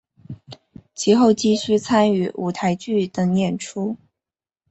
其后继续参与舞台剧等演出。